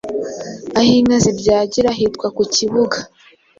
Aho inka zibyagira hitwa Ku ibuga